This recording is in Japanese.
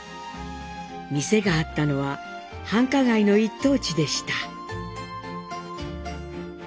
店があったのは繁華街の一等地でした。